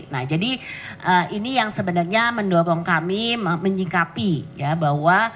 nah jadi ini yang sebenarnya mendorong kami menyingkapi ya bahwa